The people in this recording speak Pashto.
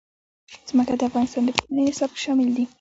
ځمکه د افغانستان د پوهنې نصاب کې شامل دي.